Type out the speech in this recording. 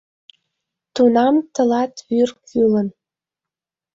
Тунам тылат вӱр кӱлын.